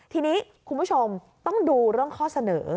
ทีนี้คุณผู้ชมต้องดูเรื่องข้อเสนอ